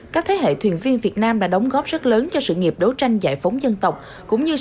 các thế hệ thuyền viên việt nam đã đóng góp rất lớn cho sự nghiệp đấu tranh giải phóng dân tộc cũng như